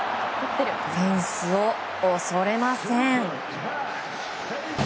フェンスを恐れません！